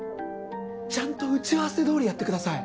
ちゃんと打ち合わせどおりやってください。